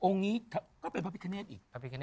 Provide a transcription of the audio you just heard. องค์นี้ก็เป็นพระพิกเนธอีก